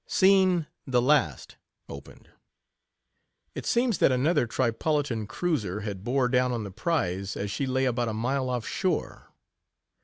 Scene the last opened. — It seems that ano ther Tripolitan cruiser had bore down on the prize, as she lay about a mile off shore.